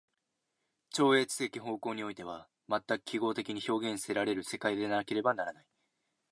超越的方向においては全く記号的に表現せられる世界でなければならない。